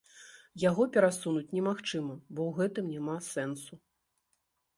Яго перасунуць немагчыма, бо ў гэтым няма сэнсу.